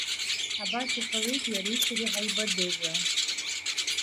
Абас иҟалеит иареи сареи ҳаибадырра.